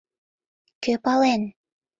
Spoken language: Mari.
Кӧ пален?